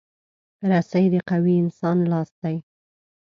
رسۍ د قوي انسان لاس دی.